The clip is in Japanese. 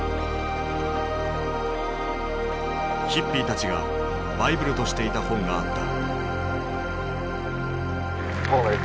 ヒッピーたちがバイブルとしていた本があった。